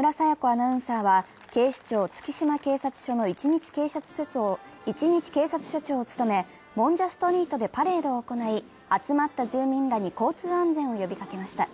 アナウンサーは警視庁月島警察署の一日警察署長を務め、もんじゃストリートでパレードを行い集まった住民らに交通安全を呼びかけました。